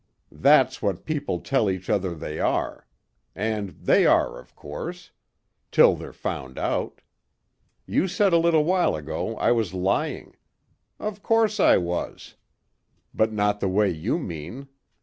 That's what people tell each other they are. And they are, of course. Till they're found out. You said a little while ago I was lying. Of course I was. But not the way you mean.